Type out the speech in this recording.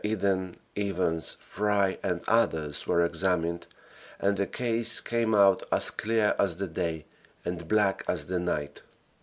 Eden, Evans, Fry and others were examined, and the case came out as clear as the day and black as the night.